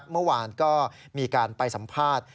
เมื่อวานก็มีการไปสัมภาษณ์